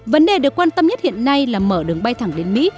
vấn đề được quan tâm nhất hiện nay là mở đường bay thẳng đến mỹ